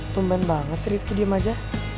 tumben banget si rifki diem aja